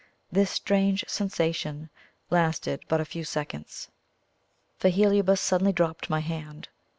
This strange sensation lasted but a few seconds, for Heliobas suddenly dropped my hand.